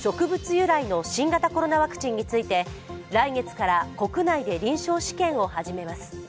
由来の新型コロナワクチンについて、来月から国内で臨床試験を始めます。